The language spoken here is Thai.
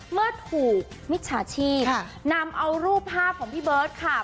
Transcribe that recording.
เมื่อถูกมิจฉาชีพนำเอารูปภาพของพี่เบิร์ตค่ะ